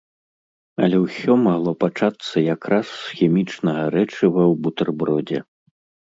Але ўсё магло пачацца якраз з хімічнага рэчыва ў бутэрбродзе.